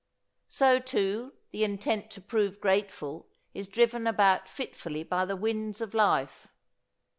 So, too, the intent to prove grateful is driven about fitfully by the winds of life.